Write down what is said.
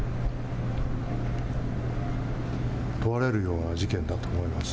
問われるような事件だと思います。